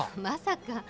まさか。